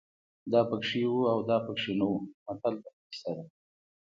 دا پکې وو او دا پکې نه وو متل د غل کیسه ده